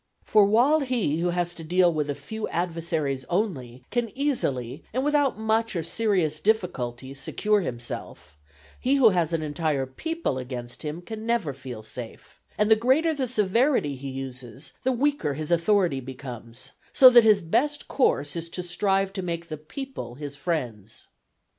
For while he who has to deal with a few adversaries only, can easily and without much or serious difficulty secure himself, he who has an entire people against him can never feel safe and the greater the severity he uses the weaker his authority becomes; so that his best course is to strive to make the people his friends.